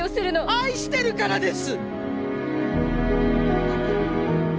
愛してるからです！